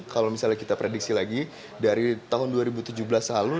kalau misalnya kita prediksi lagi dari tahun dua ribu tujuh belas lalu